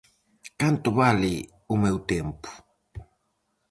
Canto vale o meu tempo?